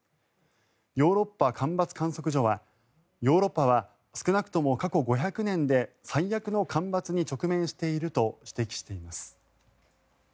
ヨーロッパ干ばつ観測所はヨーロッパは少なくとも過去５００年で最悪の干ばつに直面していると指摘しています。